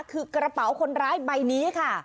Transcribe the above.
คือกระเป๋าคนร้ายใบนี้ค่ะ